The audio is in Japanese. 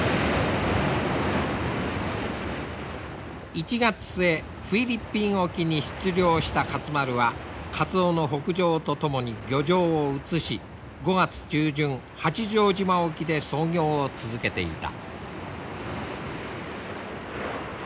１月末フィリピン沖に出漁した勝丸はカツオの北上とともに漁場を移し５月中旬八丈島沖で操業を続けていた。